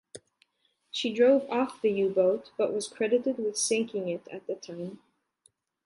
She drove off the U-boat, but was credited with sinking it, at the time.